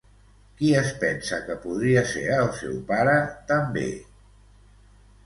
Qui es pensa que podria ser el seu pare també?